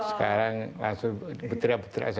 sekarang langsung betria betria saja